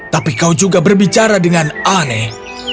tapi kau juga berbicara dengan aneh